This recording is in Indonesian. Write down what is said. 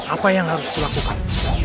apa yang harus kulakukan